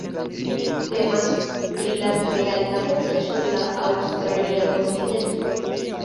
Temas pri la plej alta monto sur la aŭstralia kontinento.